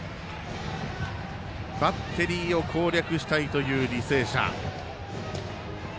バッテリーを攻略したいという履正社。